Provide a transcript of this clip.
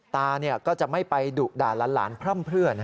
ตาเนี่ยก็จะไม่ไปดุด่าล้านพร่ำเพื่อนนะฮะ